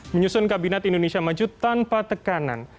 menyusun kabinet indonesia maju tanpa tekanan